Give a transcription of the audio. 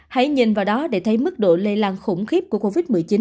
hãy nhìn vào đó để thấy mức độ lây lan khủng khiếp của covid một mươi chín